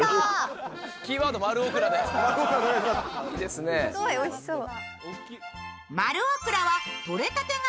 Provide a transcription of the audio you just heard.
すごいおいしそう。